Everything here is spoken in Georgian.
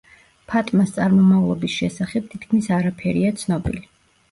ფატმას წარმომავლობის შესახებ, თითქმის არაფერია ცნობილი.